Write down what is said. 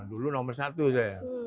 dulu nomor satu saya